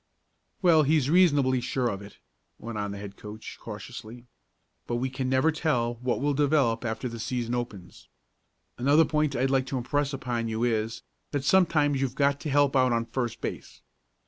"Well, he's reasonably sure of it," went on the head coach cautiously. "But we never can tell what will develop after the season opens. Another point I'd like to impress on you is, that sometimes you've got to help out on first base.